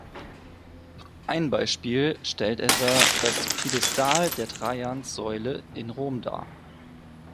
Ein Beispiel stellt etwa das Piedestal der Trajanssäule in Rom dar.